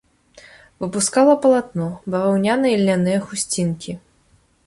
Выпускала палатно, баваўняныя і льняныя хусцінкі.